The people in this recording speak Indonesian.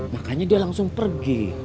makanya dia langsung pergi